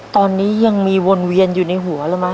ตอนนี้ยังมีวนเวียนอยู่ในหัวแล้วมั